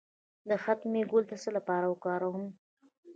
د ختمي ګل د څه لپاره وکاروم؟